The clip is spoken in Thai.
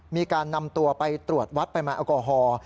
มีการนำตัวไปตรวจวัดปริมาณแอลกอฮอล์